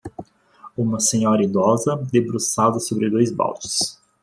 Uma senhora idosa debruçada sobre dois baldes.